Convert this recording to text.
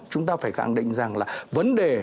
chúng ta phải khẳng định rằng là vấn đề